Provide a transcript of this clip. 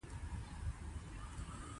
د هغه سفر د خزانې د موندلو لپاره پیلیږي.